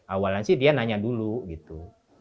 awalnya sih dia nanya dulu gitu